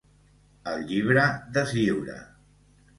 El llibre deslliura.